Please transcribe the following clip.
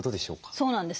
そうなんです。